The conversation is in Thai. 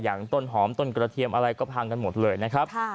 ต้นหอมต้นกระเทียมอะไรก็พังกันหมดเลยนะครับ